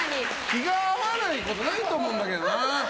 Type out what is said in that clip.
気が合わないことないと思うんだけどな。